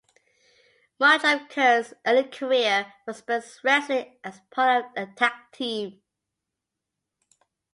Much of Keirn's early career was spent wrestling as part of a tag team.